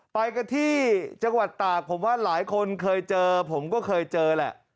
ไปกันที่จังหวัดตากผมว่าหลายคนเคยเจอผมก็เคยเจอแหละ